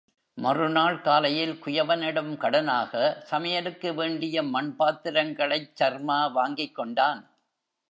மறுநாள் காலையில் குயவனிடம் கடனாக, சமையலுக்கு வேண்டிய மண்பாத்திரங்களைச் சர்மா வாங்கிக்கொண்டான்.